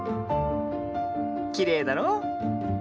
きれいだろう。